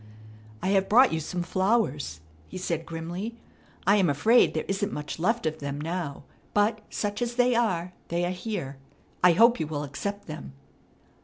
"I have brought you some flowers," he said grimly. "I am afraid there isn't much left of them now; but, such as they are, they are here. I hope you will accept them."